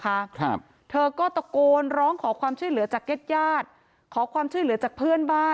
ครับเธอก็ตะโกนร้องขอความช่วยเหลือจากญาติญาติขอความช่วยเหลือจากเพื่อนบ้าน